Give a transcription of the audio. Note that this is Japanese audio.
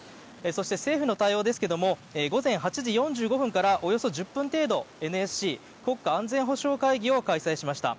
そして、政府の対応ですが午前８時４５分からおよそ１０分程度ＮＳＣ・国家安全保障会議を開催しました。